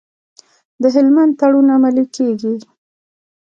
د هلمند تړون عملي کیږي؟